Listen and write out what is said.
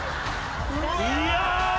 いや。